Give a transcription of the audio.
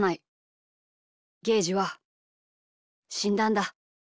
ゲージはしんだんだ。